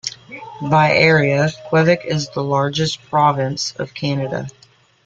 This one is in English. By area, Quebec is the largest province of Canada.